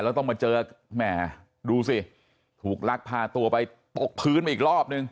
แล้วต้องมาเจอแหม่ดูสิถูกลักพาตัวไปตกพื้นมาอีกรอบนึง